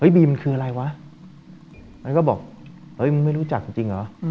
เฮ้ยบีมันคืออะไรวะมันก็บอกเฮ้ยมึงไม่รู้จักจริงจริงอ๋ออืม